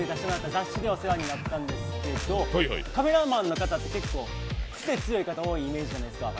雑誌でお世話になったんですがカメラマンの方って結構、クセ強い方多いイメージじゃないですか。